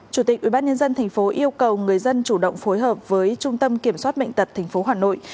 chủ tịch ubnd tp hcm yêu cầu người dân chủ động phối hợp với trung tâm kiểm soát bệnh tật tp hcm